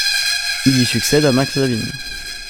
Il y succède à Max Lavigne.